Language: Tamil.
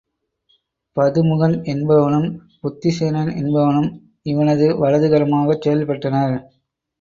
பதுமுகன் என்பவனும் புத்திசேனன் என்பவனும் இவனது வலது கரமாகச் செயல் பட்டனர்.